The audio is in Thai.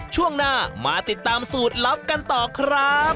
ช่วงหน้ามาติดตามสูตรลับกันต่อครับ